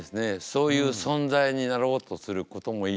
そういう存在になろうとすることもいいですね。